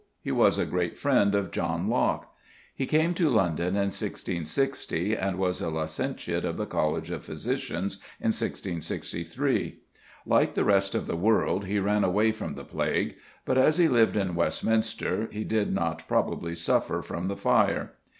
He was a great friend of John Locke. He came to London in 1660, and was a licentiate of the College of Physicians in 1663. Like the rest of the world, he ran away from the plague; but, as he lived in Westminster, he did not probably suffer from the fire.